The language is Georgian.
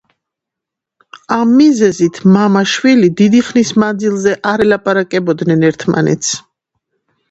ამ მიზეზით მამა-შვილი დიდი ხნის მანძილზე არ ელაპარაკებოდნენ ერთმანეთს.